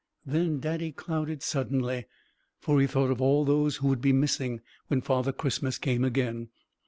Then Daddy clouded suddenly, for he thought of all those who would be missing when Father Christmas came again.